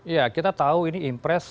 ya kita tahu ini impres